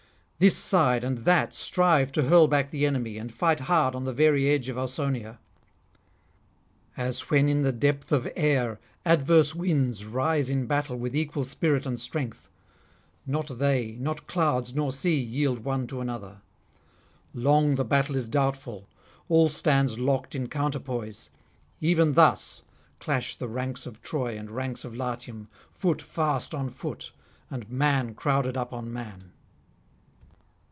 This side and that strive to hurl back the enemy, and fight hard on the very edge of Ausonia. As when in the depth of air adverse winds rise in battle with equal spirit and strength; not they, not clouds nor sea, yield one to another; long the battle is doubtful; all stands locked in counterpoise: even thus clash the ranks of Troy and ranks of Latium, foot fast on foot, and man crowded up on man.